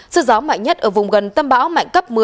sự gió mạnh nhất ở vùng gần tâm báo mạnh cấp một mươi